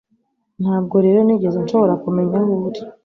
Ntabwo rero nigeze nshobora kumenya aho uri